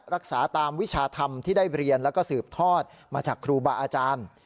รักษาตามวิชาธรรมที่ได้เรียนแล้วก็สืบทอดมาจากครูบาอาจารย์